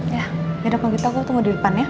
ya yaudah panggilan kita aku tunggu di depan ya